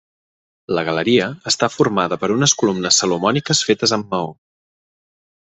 La galeria està formada per unes columnes salomòniques fetes amb maó.